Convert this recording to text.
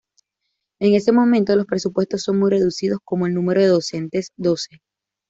En ese momento los presupuestos son muy reducidos como el número de docentes, doce.